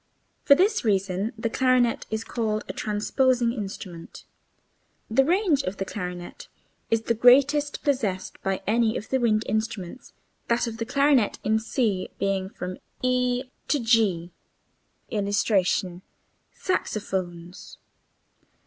For this reason the clarinet is called a transposing instrument. The range of the clarinet is the greatest possessed by any of the wind instruments, that of the clarinet in C being from [Illustration: e] to [Illustration: g''']. [Illustration: SAXOPHONES.